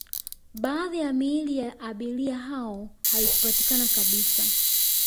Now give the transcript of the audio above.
baadhi ya miili ya abiria hao haikupatikana kabisa